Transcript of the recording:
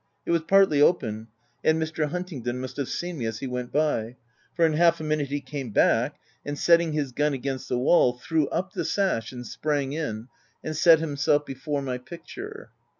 It was partly; open, and Mr. Huntingdon must have seen me as he went by, for in half a minute he came back, and setting his gun against the wall, threw up the sash, and sprang in, and set himself before my picture.